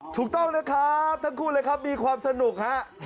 ถูกต้องนะครับทั้งคู่เลยครับมีความสนุกฮะ